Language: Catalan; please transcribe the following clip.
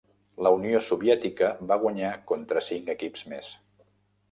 La Unió Soviètica va guanyar contra cinc equips més.